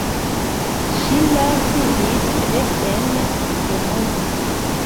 Ŝila sidis rekten denove.